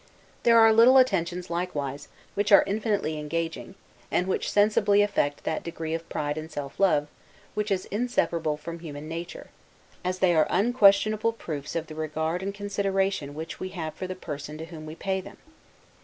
There are little attentions likewise, which are infinitely engaging, and which sensibly affect that degree of pride and self love, which is inseparable from human nature; as they are unquestionable proofs of the regard and consideration which we have for the person to whom we pay them.